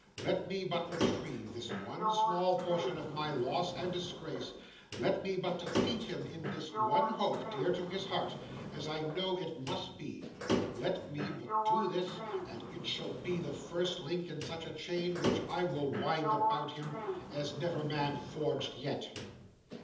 Let me but retrieve this one small portion of my loss and disgrace; let me but defeat him in this one hope, dear to his heart as I know it must be; let me but do this; and it shall be the first link in such a chain which I will wind about him, as never man forged yet.